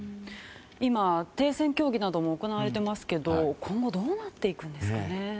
今、停戦協議なども行われていますけど今後どうなっていくんですかね。